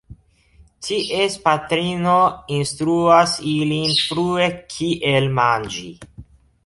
Ties patrino instruas ilin frue kiel manĝi.